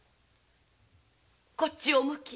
こっちをお向き。